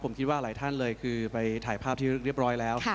ผมคิดว่าหลายท่านเลยคือไปถ่ายภาพที่เรียบร้อยแล้ว